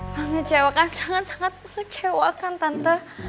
mengecewakan sangat sangat mengecewakan tante